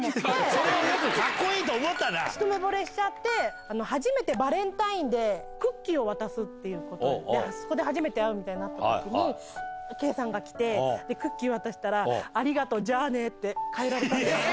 それ、よくかっこいいと思っ一目ぼれしちゃって、初めてバレンタインでクッキーを渡すってことで、そこで初めて会うってなったときに、けいじさんが来て、クッキー渡したら、ありがとう、じゃあねって、帰られたんです。